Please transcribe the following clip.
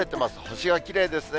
星がきれいですね。